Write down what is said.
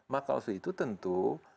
maka itu tentu